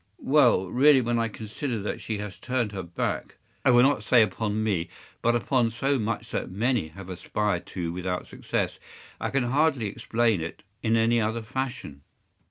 ” “Well, really, when I consider that she has turned her back—I will not say upon me, but upon so much that many have aspired to without success—I can hardly explain it in any other fashion.